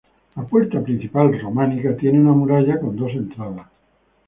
La puerta principal, románica, tiene una muralla con dos entradas.